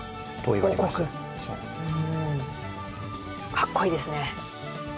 かっこいいですね！